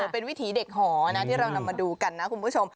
เป็นวิถีเด็กหอนะที่เรานำมาดูกันนะคุณผู้ชม